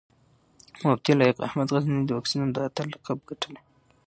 مفتي لائق احمد غزنوي د واکسينو د اتل لقب ګټلی